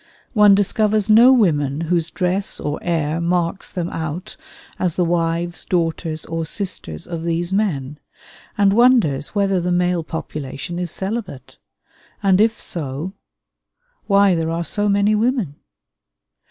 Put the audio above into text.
One discovers no women whose dress or air marks them out as the wives, daughters, or sisters of these men, and wonders whether the male population is celibate, and if so, why there are so many women.